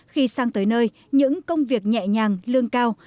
khi sang tới nơi những công việc nhẹ nhàng lương cao